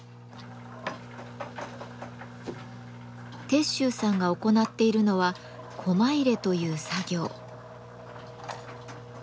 鉄舟さんが行っているのはコマ入れという作業。